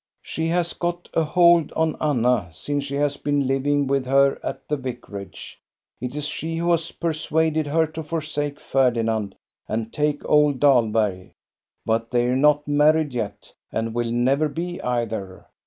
She has got a hold on Anna, since she has been living with her at the vicarage. It is she who has persuaded her to forsake Ferdinand and take old Dahlberg; but they 're not married yet, and will never be either.